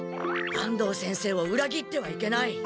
安藤先生を裏切ってはいけない。